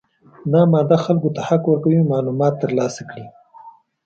دا ماده خلکو ته حق ورکوي معلومات ترلاسه کړي.